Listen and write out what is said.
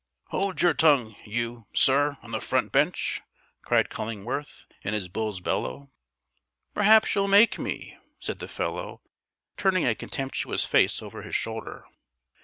"Hold your tongue you, sir, on the front bench," cried Cullingworth, in his bull's bellow. "Perhaps you'll make me," said the fellow, turning a contemptuous face over his shoulder.